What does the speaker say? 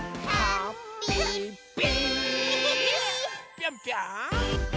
ぴょんぴょん！